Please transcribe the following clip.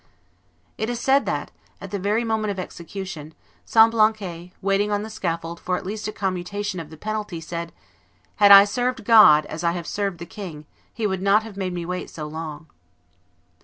It is said that, at the very moment of execution, Semblancay, waiting on the scaffold for at least a commutation of the penalty, said, "Had I served God as I have served the king, He would not have made me wait so long."